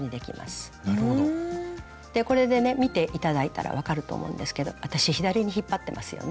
これでね見て頂いたら分かると思うんですけど私左に引っ張ってますよね？